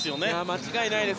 間違いないです。